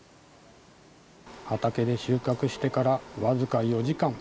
畑で収穫してから僅か４時間。